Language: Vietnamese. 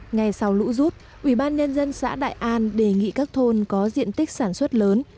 ngày sau lũ rút ubnd xã đại an đề nghị các thôn có diện tích sản xuất lớn